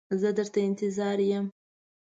زه در ته انتظار یم.